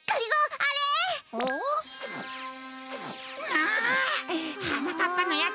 なあはなかっぱのやつ